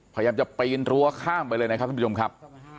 พยายามจะปีนรั้วข้ามไปเลยนะครับทุกผู้ชมครับ